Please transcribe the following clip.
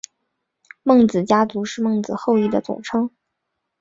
孟子家族是孟子后裔的总称。